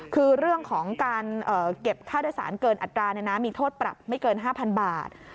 คือเรื่องของการเก็บค่าโดยสารเกินอัตรามีโทษปรับไม่เกิน๕๐๐บาท